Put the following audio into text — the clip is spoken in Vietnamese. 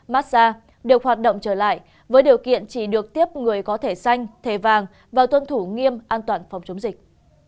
massage được hoạt động trở lại với điều kiện chỉ được tiếp người có thể xanh thẻ vàng và tuân thủ nghiêm an toàn phòng chống dịch